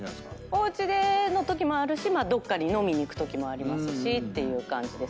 おうちでのときもあるしどっかに飲みに行くときもありますしっていう感じですね。